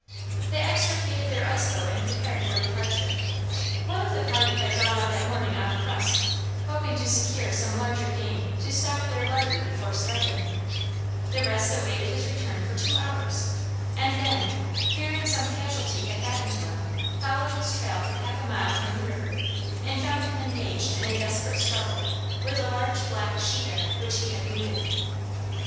They extricated their ice boat and prepared for departure. One of the party had gone out that morning on the crust, hoping to secure some larger game to stock their larder before starting; the rest awaited his return for two hours, and then, fearing some casualty had happened to him, followed his trail for half a mile from the river and found him engaged in a desperate struggle with a large black she bear which he had wounded.